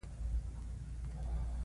دا د اوسني فلسطین په شمال کې موقعیت لري.